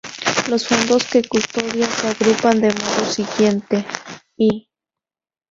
Los fondos que custodia se agrupan del modo siguiente: y